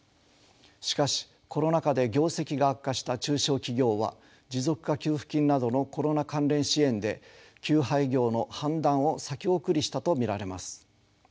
しかしコロナ禍で業績が悪化した中小企業は持続化給付金などのコロナ関連支援で休廃業の判断を先送りしたと見られます。